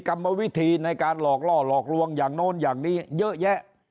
กรรมวิธีในการหลอกล่อหลอกลวงอย่างโน้นอย่างนี้เยอะแยะ